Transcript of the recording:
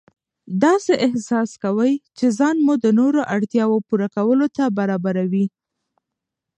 داسې احساس کوئ چې ځان مو د نورو اړتیاوو پوره کولو ته برابروئ.